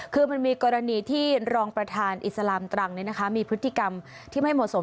คือมันมีกรณีที่รองประธานอิสลามตรังมีพฤติกรรมที่ไม่เหมาะสม